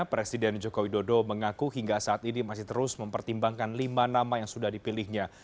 presiden joko widodo mengaku hingga saat ini masih terus mempertimbangkan lima nama yang sudah dipilihnya